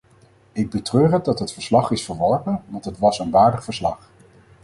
Ik betreur het dat het verslag is verworpen, want het was een waardig verslag.